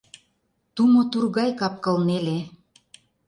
Тумо тур гай капкыл неле.